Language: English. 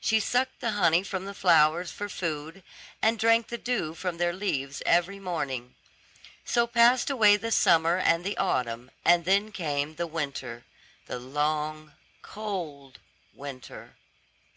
She sucked the honey from the flowers for food, and drank the dew from their leaves every morning. So passed away the summer and the autumn, and then came the winter, the long, cold winter.